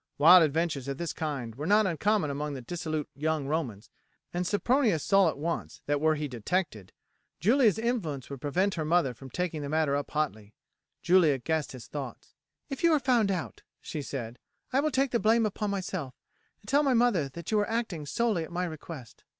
Wild adventures of this kind were not uncommon among the dissolute young Romans, and Sempronius saw at once that were he detected Julia's influence would prevent her mother taking the matter up hotly. Julia guessed his thoughts. "If you are found out," she said, "I will take the blame upon myself, and tell my mother that you were acting solely at my request."